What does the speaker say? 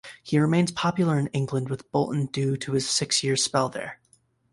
He remains popular in England with Bolton due to his six-year spell there.